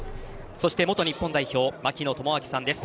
そして、元日本代表槙野智章さんです。